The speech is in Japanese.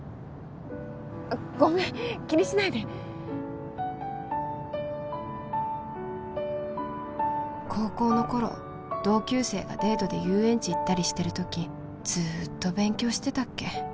あっごめん気にしないで高校の頃同級生がデートで遊園地行ったりしてるときずーっと勉強してたっけ